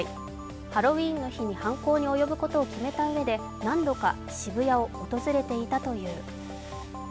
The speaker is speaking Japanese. ハロウィーンの日に犯行に及ぶことを決めたうえで何度か渋谷を訪れていたという。